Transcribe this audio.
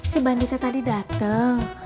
si banditnya tadi dateng